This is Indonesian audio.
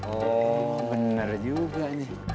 oh bener juga